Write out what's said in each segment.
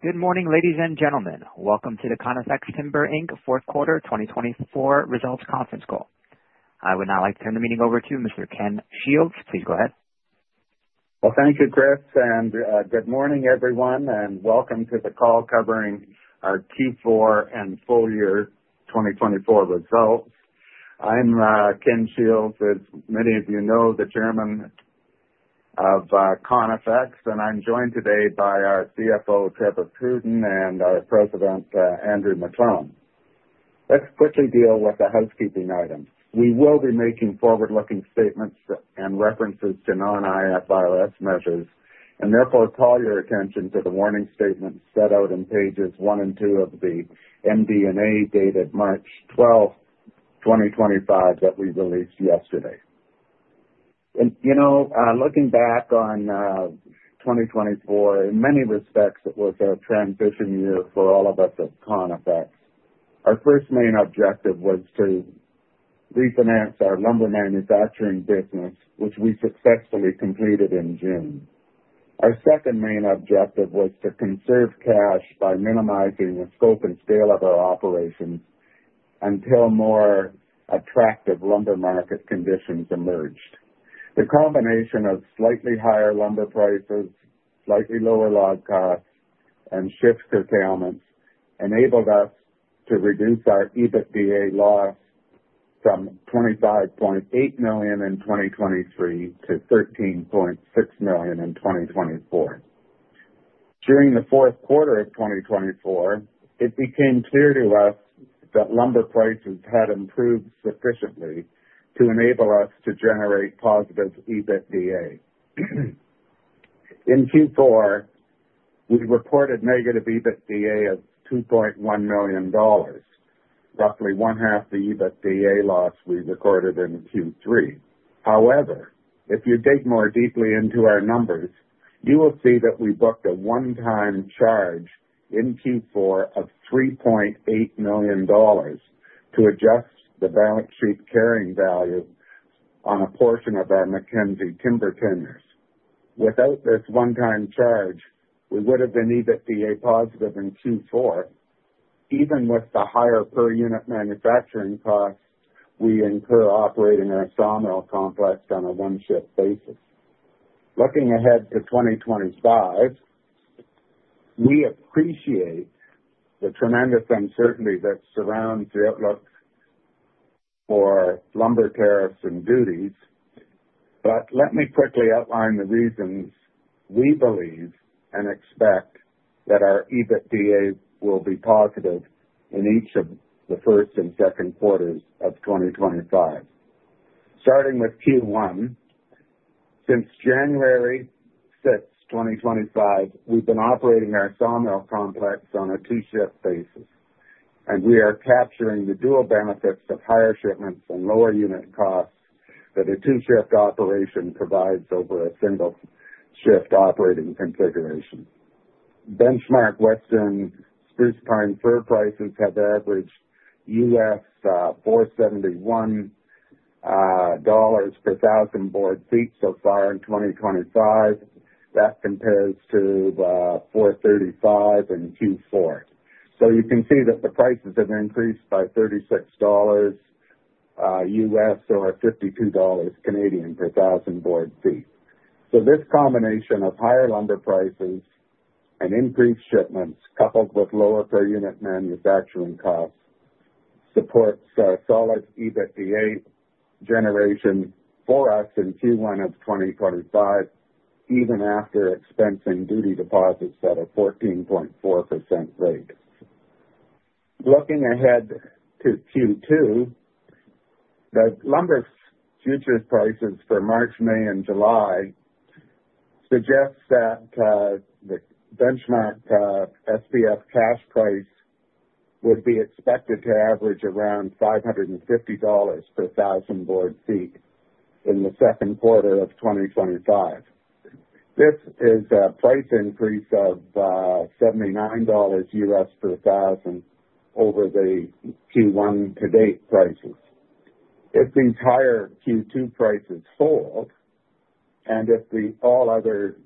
Good morning, ladies and gentlemen. Welcome to the Conifex Timber Inc Fourth Quarter 2024 Results Conference Call. I would now like to turn the meeting over to Mr. Ken Shields. Please go ahead. Thank you, Chris, and good morning, everyone, and welcome to the call covering our Q4 and full year 2024 results. I'm Ken Shields, as many of you know, the Chairman of Conifex, and I'm joined today by our CFO, Trevor Pruden, and our President, Andrew McLellan. Let's quickly deal with the housekeeping items. We will be making forward-looking statements and references to non-IFRS measures, and therefore call your attention to the warning statements set out in pages one and two of the MD&A dated March 12, 2025, that we released yesterday. Looking back on 2024, in many respects, it was a transition year for all of us at Conifex. Our first main objective was to refinance our lumber manufacturing business, which we successfully completed in June. Our second main objective was to conserve cash by minimizing the scope and scale of our operations until more attractive lumber market conditions emerged. The combination of slightly higher lumber prices, slightly lower log costs, and shift curtailments enabled us to reduce our EBITDA loss from 25.8 million in 2023 to 13.6 million in 2024. During the fourth quarter of 2024, it became clear to us that lumber prices had improved sufficiently to enable us to generate positive EBITDA. In Q4, we reported negative EBITDA of 2.1 million dollars, roughly one-half the EBITDA loss we recorded in Q3. However, if you dig more deeply into our numbers, you will see that we booked a one-time charge in Q4 of 3.8 million dollars to adjust the balance sheet carrying value on a portion of our Mackenzie timber tenures. Without this one-time charge, we would have been EBITDA positive in Q4, even with the higher per-unit manufacturing costs we incur operating our sawmill complex on a one-shift basis. Looking ahead to 2025, we appreciate the tremendous uncertainty that surrounds the outlook for lumber tariffs and duties, but let me quickly outline the reasons we believe and expect that our EBITDA will be positive in each of the first and second quarters of 2025. Starting with Q1, since January 6, 2025, we've been operating our sawmill complex on a two-shift basis, and we are capturing the dual benefits of higher shipments and lower unit costs that a two-shift operation provides over a single-shift operating configuration. Benchmark Western Spruce-Pine-Fir prices have averaged $471 per 1,000 board feet so far in 2025. That compares to $435 in Q4. You can see that the prices have increased by $36 or 52 Canadian dollars per 1,000 board feet. This combination of higher lumber prices and increased shipments, coupled with lower per-unit manufacturing costs, supports a solid EBITDA generation for us in Q1 of 2025, even after expensing duty deposits at a 14.4% rate. Looking ahead to Q2, the lumber futures prices for March, May, and July suggest that the benchmark SPF cash price would be expected to average around $550 per 1,000 board feet in the second quarter of 2025. This is a price increase of $79 per 1,000 over the Q1 to date prices. If these higher Q2 prices hold, and if All Others'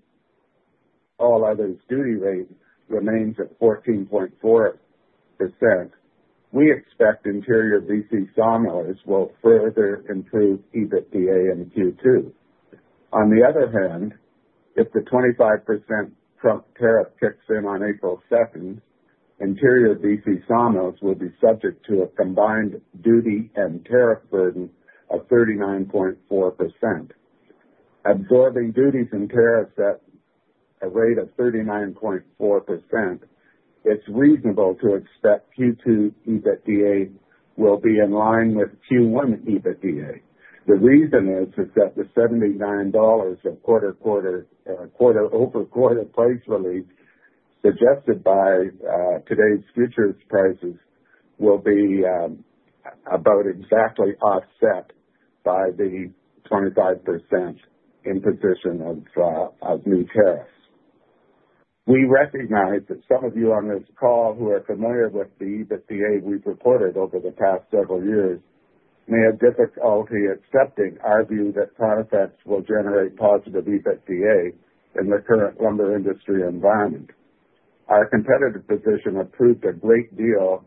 duty rate remains at 14.4%, we expect Interior BC sawmillers will further improve EBITDA in Q2. On the other hand, if the 25% Trump tariff kicks in on April 2, Interior BC sawmills will be subject to a combined duty and tariff burden of 39.4%. Absorbing duties and tariffs at a rate of 39.4%, it's reasonable to expect Q2 EBITDA will be in line with Q1 EBITDA. The reason is that the $79 of quarter-over-quarter price relief suggested by today's futures prices will be about exactly offset by the 25% imposition of new tariffs. We recognize that some of you on this call who are familiar with the EBITDA we've reported over the past several years may have difficulty accepting our view that Conifex will generate positive EBITDA in the current lumber industry environment. Our competitive position improved a great deal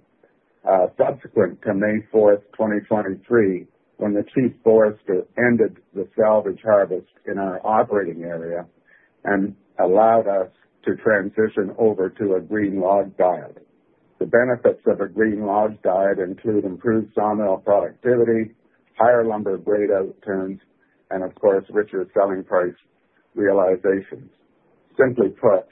subsequent to May 4th, 2023, when the Chief Forester ended the salvage harvest in our operating area and allowed us to transition over to a green log diet. The benefits of a green log diet include improved sawmill productivity, higher lumber grade outturns, and, of course, richer selling price realizations. Simply put,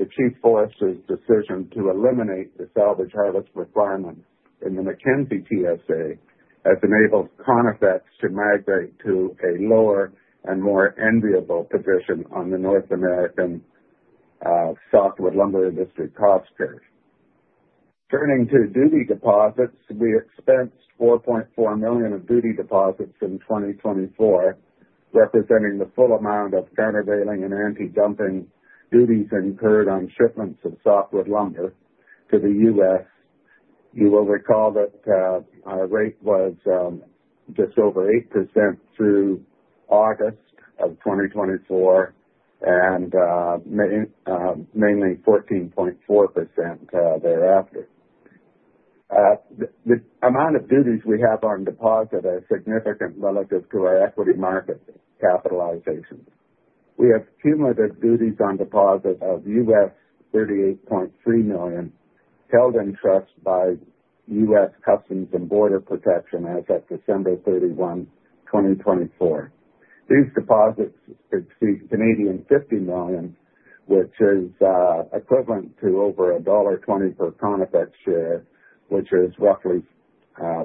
the Chief Forester's decision to eliminate the salvage harvest requirement in the Mackenzie TSA has enabled Conifex to migrate to a lower and more enviable position on the North American softwood lumber industry cost curve. Turning to duty deposits, we expensed 4.4 million of duty deposits in 2024, representing the full amount of countervailing and anti-dumping duties incurred on shipments of softwood lumber to the U.S. You will recall that our rate was just over 8% through August of 2024, and mainly 14.4% thereafter. The amount of duties we have on deposit is significant relative to our equity market capitalization. We have cumulative duties on deposit of $38.3 million, held in trust by U.S. Customs and Border Protection as of December 31, 2024. These deposits exceed 50 million Canadian dollars, which is equivalent to over $1.20 per Conifex share, which is roughly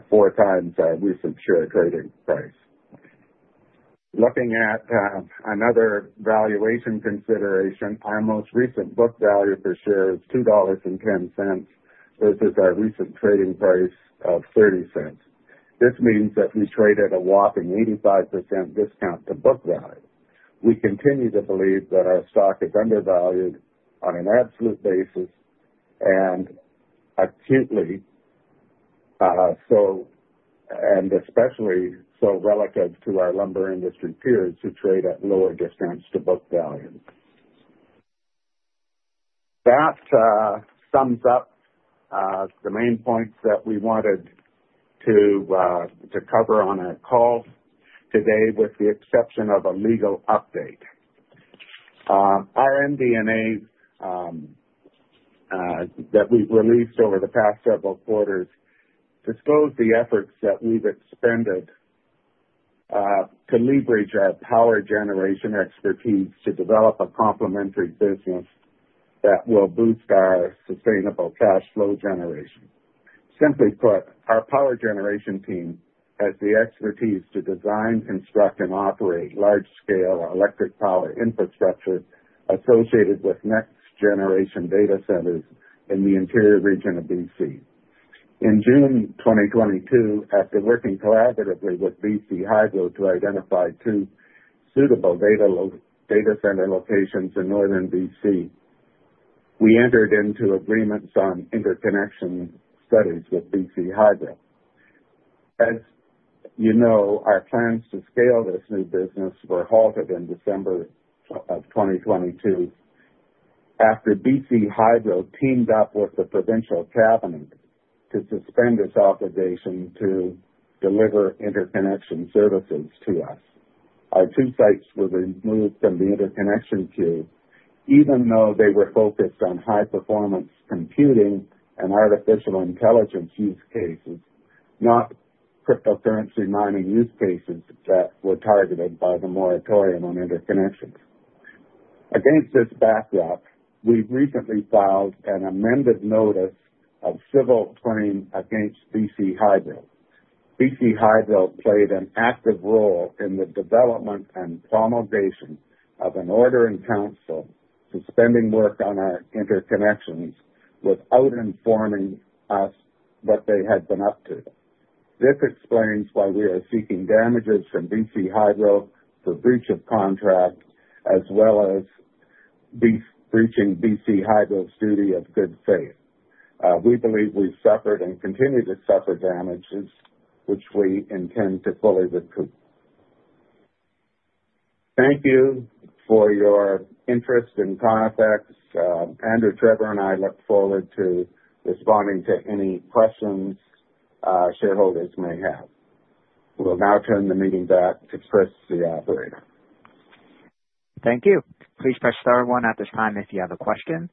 four times our recent share trading price. Looking at another valuation consideration, our most recent book value per share is $2.10 versus our recent trading price of $0.30. This means that we traded at a whopping 85% discount to book value. We continue to believe that our stock is undervalued on an absolute basis and acutely, and especially so relative to our lumber industry peers who trade at lower discounts to book value. That sums up the main points that we wanted to cover on our call today, with the exception of a legal update. Our MD&A that we've released over the past several quarters disclosed the efforts that we've expended to leverage our power generation expertise to develop a complementary business that will boost our sustainable cash flow generation. Simply put, our power generation team has the expertise to design, construct, and operate large-scale electric power infrastructure associated with next-generation data centers in the Interior Region of British Columbia. In June 2022, after working collaboratively with BC Hydro to identify two suitable data center locations in northern British Columbia, we entered into agreements on interconnection studies with BC Hydro. As you know, our plans to scale this new business were halted in December of 2022 after BC Hydro teamed up with the provincial cabinet to suspend its obligation to deliver interconnection services to us. Our two sites were removed from the interconnection queue, even though they were focused on high-performance computing and artificial intelligence use cases, not cryptocurrency mining use cases that were targeted by the moratorium on interconnections. Against this backdrop, we recently filed an amended notice of civil claim against BC Hydro. BC Hydro played an active role in the development and promulgation of an Order in Council suspending work on our interconnections without informing us what they had been up to. This explains why we are seeking damages from BC Hydro for breach of contract, as well as breaching BC Hydro's duty of good faith. We believe we've suffered and continue to suffer damages, which we intend to fully recoup. Thank you for your interest in Conifex. Andrew, Trevor, and I look forward to responding to any questions shareholders may have. We'll now turn the meeting back to Chris, the operator. Thank you. Please press star one at this time if you have a question.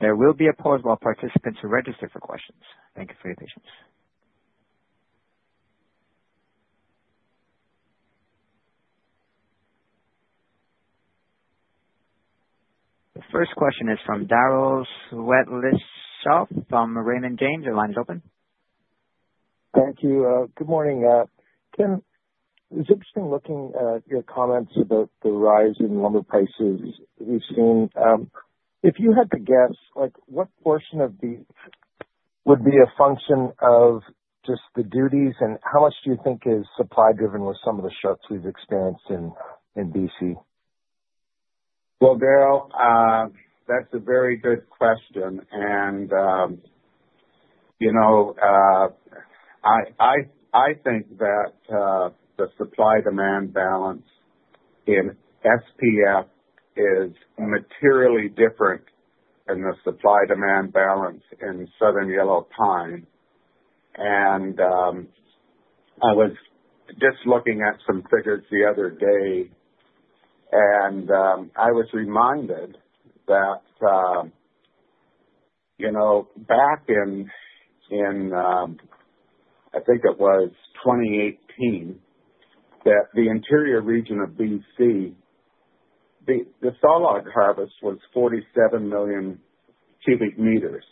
There will be a pause while participants register for questions. Thank you for your patience. The first question is from Daryl Swetlishoff from Raymond James. Your line is open. Thank you. Good morning. Ken, it was interesting looking at your comments about the rise in lumber prices we've seen. If you had to guess, what portion of these would be a function of just the duties, and how much do you think is supply-driven with some of the shifts we've experienced in BC? Daryl, that's a very good question. I think that the supply-demand balance in SPF is materially different than the supply-demand balance in Southern Yellow Pine. I was just looking at some figures the other day, and I was reminded that back in, I think it was 2018, the Interior Region of British Columbia, the saw log harvest was 47 million cubic meters.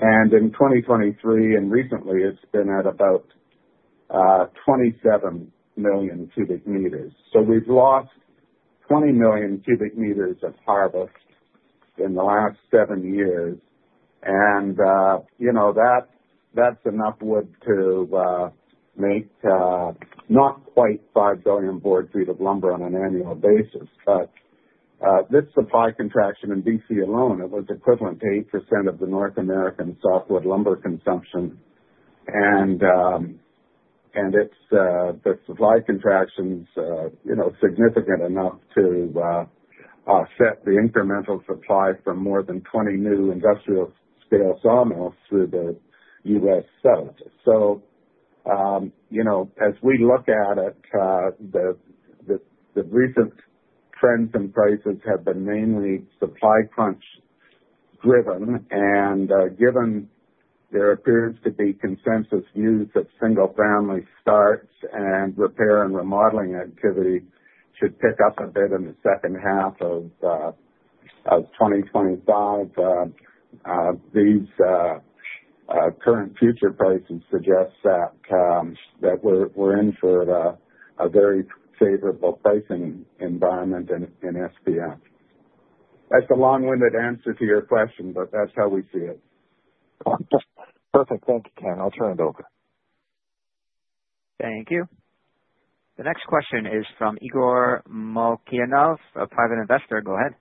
In 2023 and recently, it's been at about 27 million cubic meters. We have lost 20 million cubic meters of harvest in the last seven years. That's enough wood to make not quite 5 billion board feet of lumber on an annual basis. This supply contraction in British Columbia alone was equivalent to 8% of the North American softwood lumber consumption. The supply contraction is significant enough to offset the incremental supply from more than 20 new industrial-scale sawmills through the U.S. South. As we look at it, the recent trends in prices have been mainly supply crunch-driven. Given there appears to be consensus views that single-family starts and repair and remodeling activity should pick up a bit in the second half of 2025, these current future prices suggest that we are in for a very favorable pricing environment in SPF. That is a long-winded answer to your question, but that is how we see it. Perfect. Thank you, Ken. I'll turn it over. Thank you. The next question is from Igor Malkianov, a private investor. Go ahead.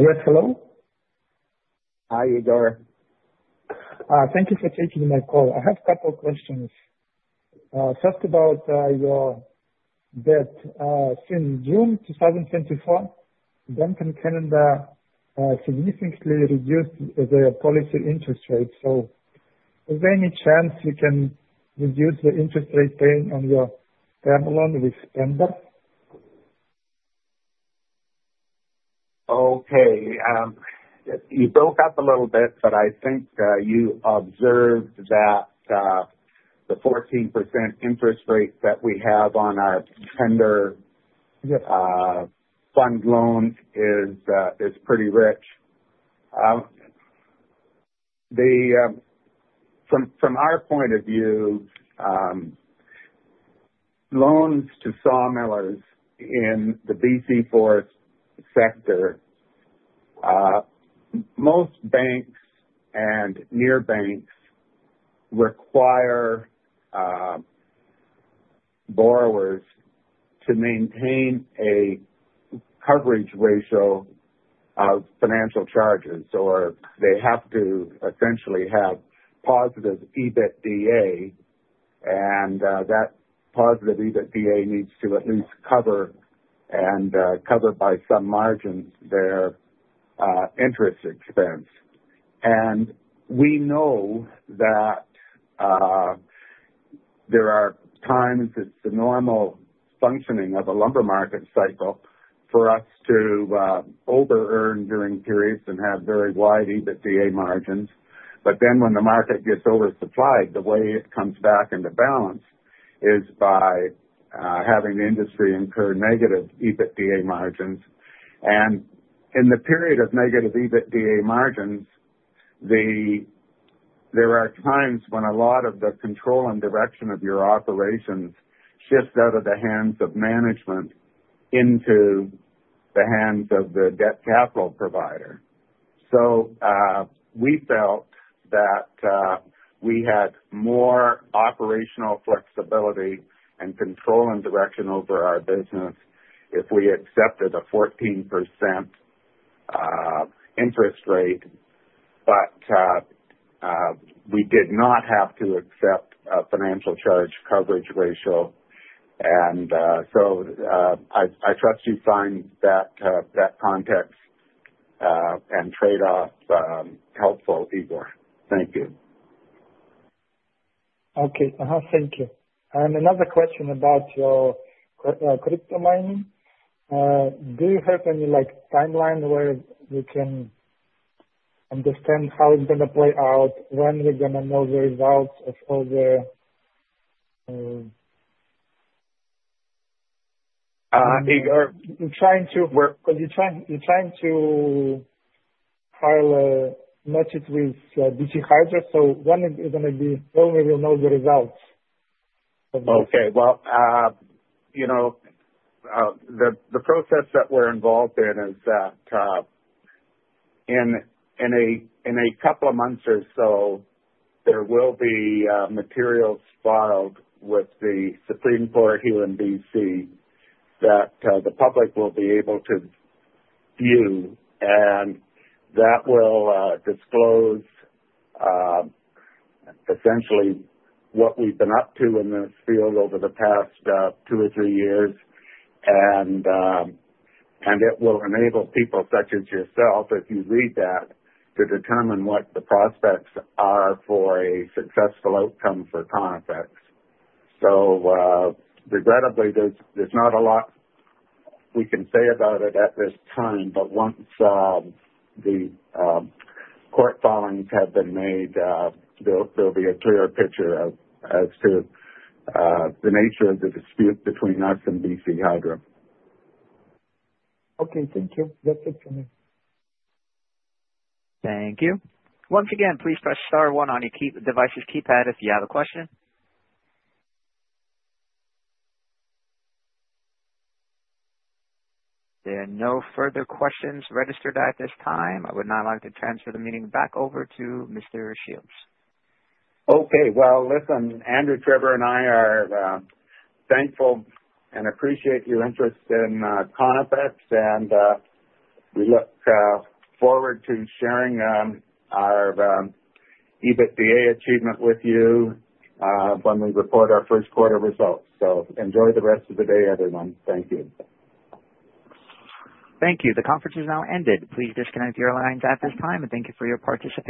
Yes, hello. Hi, Igor. Thank you for taking my call. I have a couple of questions. First of all, your bet. Since June 2024, Bank of Canada significantly reduced their policy interest rates. Is there any chance we can reduce the interest rate paying on your family loan with Pender? Okay. You broke up a little bit, but I think you observed that the 14% interest rate that we have on our Pender fund loan is pretty rich. From our point of view, loans to sawmillers in the BC Forest sector, most banks and near banks require borrowers to maintain a coverage ratio of financial charges. They have to essentially have positive EBITDA. That positive EBITDA needs to at least cover and cover by some margins their interest expense. We know that there are times it's the normal functioning of a lumber market cycle for us to over-earn during periods and have very wide EBITDA margins. When the market gets oversupplied, the way it comes back into balance is by having the industry incur negative EBITDA margins. In the period of negative EBITDA margins, there are times when a lot of the control and direction of your operations shifts out of the hands of management into the hands of the debt capital provider. We felt that we had more operational flexibility and control and direction over our business if we accepted a 14% interest rate. We did not have to accept a financial charge coverage ratio. I trust you find that context and trade-off helpful, Igor. Thank you. Okay. Thank you. Another question about your crypto mining. Do you have any timeline where we can understand how it's going to play out? When are we going to know the results of all the. Igor? You're trying to file a notice with BC Hydro. When is it going to be? When will we know the results? Okay. The process that we're involved in is that in a couple of months or so, there will be materials filed with the Supreme Court here in BC that the public will be able to view. That will disclose essentially what we've been up to in this field over the past two or three years. It will enable people such as yourself, if you read that, to determine what the prospects are for a successful outcome for Conifex. Regrettably, there's not a lot we can say about it at this time. Once the court filings have been made, there will be a clearer picture as to the nature of the dispute between us and BC Hydro. Okay. Thank you. That's it for me. Thank you. Once again, please press star one on your device's keypad if you have a question. There are no further questions registered at this time. I would now like to transfer the meeting back over to Mr. Shields. Okay. Listen, Andrew, Trevor, and I are thankful and appreciate your interest in Conifex. We look forward to sharing our EBITDA achievement with you when we report our first quarter results. Enjoy the rest of the day, everyone. Thank you. Thank you. The conference is now ended. Please disconnect your lines at this time. Thank you for your participation.